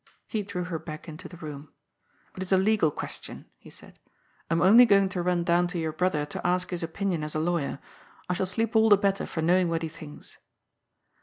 ^' He drew her back into the room. '^ It is a legal qaestion," he said. ^ I am only going to run down to your brother to ask his opinion as a lawyer. I shall sleep all the better for knowing what he thinks."